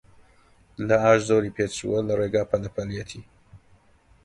لە ئاش زۆری پێچووە، لە ڕێگا پەلە پەلیەتی